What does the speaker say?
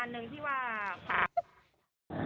แล้วก็อีกอันหนึ่งที่ว่า